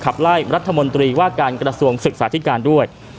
ขับไล่รัฐมนตรีว่าการกระทรวงศึกษาธิการด้วย